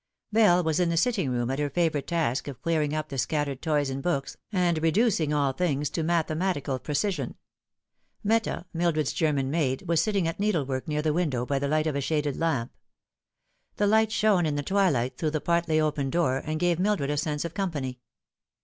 Bell was in the sitting room at her favourite task of clearing op the scattered toys and books, and reducing all things to mathematical precision. Meta, Mildred's German maid, was sitting at needlework near the window by the light of a shaded lamp. The light shone in the twilight through the partly open door, and gave Mildred a sense of company.